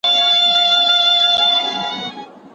یوه بل ته به زړه ورکړي بې وسواسه